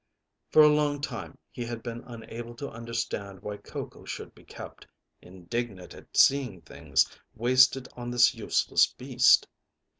For a long time he had been unable to understand why Coco should be kept, indignant at seeing things wasted on this useless beast.